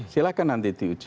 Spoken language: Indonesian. silahkan nanti diuji